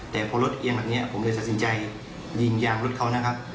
แต่พอรถเอียงแบบนี้ผมเลยตัดสินใจยิงยางรถเขานะครับ